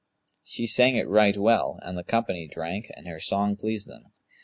She sang it right well, and the company drank and her song pleased them.